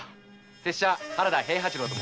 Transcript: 拙者原田平八郎。